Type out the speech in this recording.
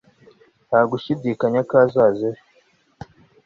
Nta gushidikanya ko azaza ejo